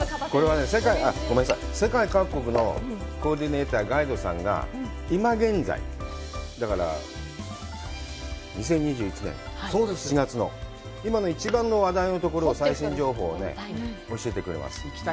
世界各国のコーディネーター、ガイドさんが、今現在、だから、２０２１年、７月の今の一番の話題のところを最新情報を教えてくれます。